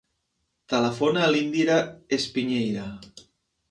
Telefona a l'Indira Espiñeira.